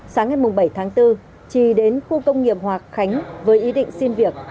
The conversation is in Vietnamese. sáng ngày bảy tháng bốn trì đến khu công nghiệp hòa khánh với ý định xin việc